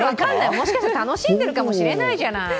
もしかしたら、楽しんでいるかもしれないじゃない。